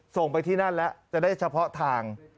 ส่งไปที่นั่นแล้วจะได้เฉพาะทาง